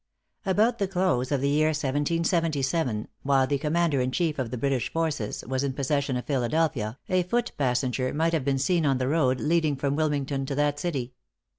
|About the close of the year 1777, while the commander in chief of the British forces was in possession of Philadelphia, a foot passenger might have been seen on the road leading from Wilmington to that city.